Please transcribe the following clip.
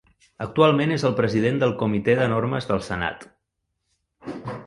Actualment és el president del Comitè de Normes del Senat.